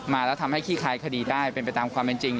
มาแล้วทำให้ขี้คลายคดีได้เป็นไปตามความเป็นจริง